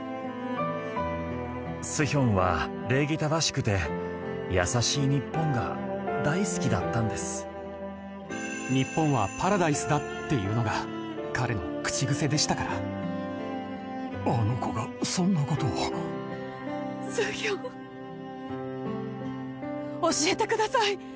スヒョンは礼儀正しくて優しい日本が大好きだったんですっていうのが彼の口癖でしたからあの子がそんなことをスヒョン教えてください